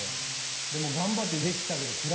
でもう頑張ってできたけど。